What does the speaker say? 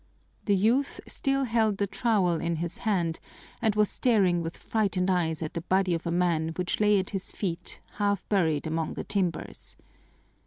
The youth still held the trowel in his hand and was staring with frightened eyes at the body of a man which lay at his feet half buried among the timbers.